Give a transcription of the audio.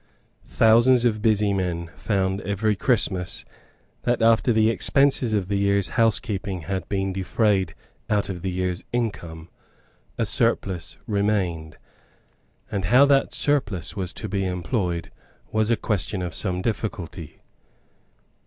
Thousands of busy men found every Christmas that, after the expenses of the year's housekeeping had been defrayed out of the year's income, a surplus remained; and how that surplus was to be employed was a question of some difficulty.